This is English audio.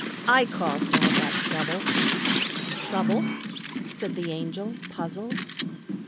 I caused all that trouble." "Trouble?" said the Angel, puzzled.